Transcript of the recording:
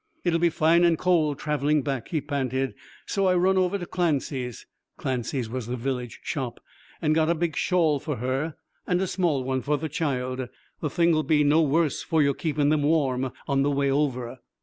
'It'll be fine and cold travelling back,' he panted, 'so I run over to Clancy's (Clancy's was the village shop) and got a big shawl for her, an' a small one for the child. The things'll be no worse for your keeping them warm on the way over.'